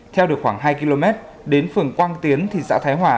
theo được khoảng hai km đến phường quang tiến thị xã thái hòa